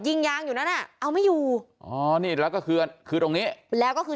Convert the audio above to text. ยิงยางอยู่นั้นอ่ะเอาไม่อยู่อ๋อนี่แล้วก็คือคือตรงนี้แล้วก็คือ